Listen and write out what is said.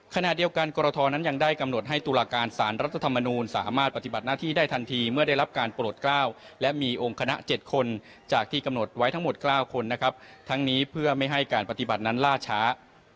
ขณะเดียวกันกรทนั้นยังได้กำหนดให้ตุลาการสารรัฐธรรมนูลสามารถปฏิบัติหน้าที่ได้ทันทีเมื่อได้รับการโปรดกล้าวและมีองค์คณะ๗คนจากที่กำหนดไว้ทั้งหมด๙คนนะครับทั้งนี้เพื่อไม่ให้การปฏิบัตินั้นล่าช้า